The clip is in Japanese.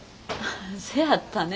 せやったね。